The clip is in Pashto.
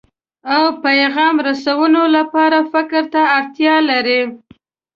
او پیغام رسونې لپاره فکر ته اړتیا لري.